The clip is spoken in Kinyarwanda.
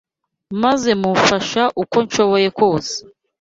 maze mufasha uko nshoboye kose. …